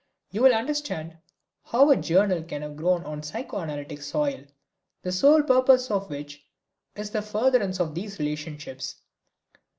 You will understand how a journal can have grown on psychoanalytic soil, the sole purpose of which is the furtherance of these relationships.